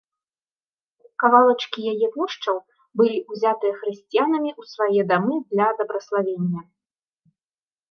Кавалачкі яе мошчаў былі ўзятыя хрысціянамі ў свае дамы для дабраславення.